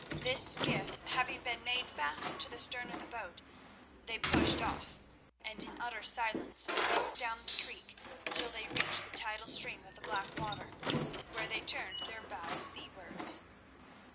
This skiff having been made fast to the stern of the boat, they pushed off, and in utter silence rowed down the creek till they reached the tidal stream of the Blackwater, where they turned their bow seawards.